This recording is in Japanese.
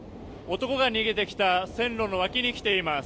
男が逃げてきた線路の脇に来ています。